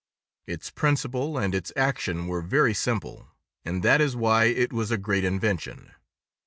Its principle and its action were very simple, and that is why it was a great invention.